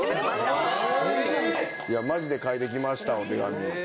マジで書いてきましたお手紙。